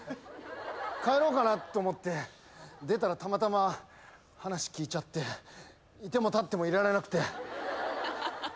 帰ろうかなと思って出たらたまたま話聞いちゃって居ても立ってもいられなくて。